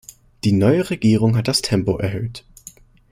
Die neue Regierung hat das Tempo erhöht.